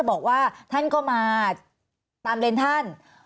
น้องก็มาตามเลนท่าน